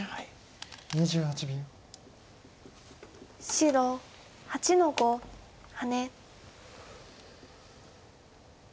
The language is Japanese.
白８の五ハネ。